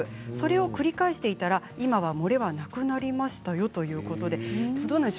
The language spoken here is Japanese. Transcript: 繰り返していたら今は漏れはなくなりましたよということです。